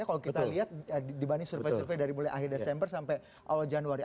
kalau kita lihat dibanding survei survei dari mulai akhir desember sampai awal januari